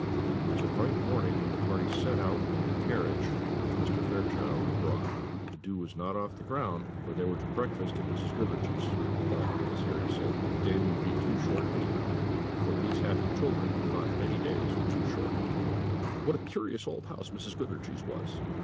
It was a bright morning when the party set out in the carriage which Mr. Fairchild had bought. The dew was not off the ground, for they were to breakfast at Mrs. Goodriche's; but, as Henry said, the day would be too short anyhow, for these happy children thought many days too short. What a curious old house Mrs. Goodriche's was!